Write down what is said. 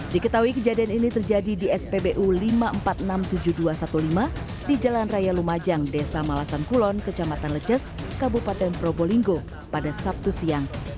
diketahui kejadian ini terjadi di spbu lima ribu empat puluh enam tujuh ribu dua ratus lima belas di jalan raya lumajang desa malasan kulon kecamatan leces kabupaten probolinggo pada sabtu siang